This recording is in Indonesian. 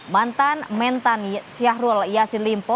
mantan mentan syahrul yassin limpo